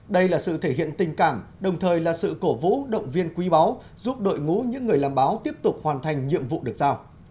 đây là sự thể hiện tình cảm đồng thời là sự cổ vũ động viên quý báu giúp đội ngũ những người làm báo tiếp tục hoàn thành nhiệm vụ được giao